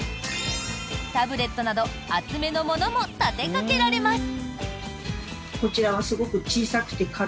タブレットなど、厚めのものも立てかけられます。